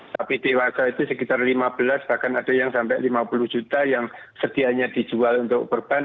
tapi dewasa itu sekitar lima belas bahkan ada yang sampai lima puluh juta yang sedianya dijual untuk perban